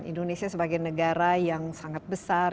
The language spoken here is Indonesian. indonesia sebagai negara yang sangat besar